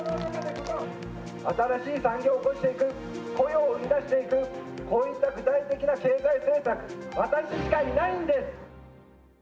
新しい産業を興していく、雇用を生み出していく、こういった具体的な経済政策、私しかいないんです。